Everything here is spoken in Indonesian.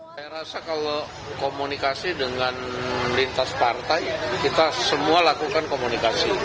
saya rasa kalau komunikasi dengan lintas partai kita semua lakukan komunikasi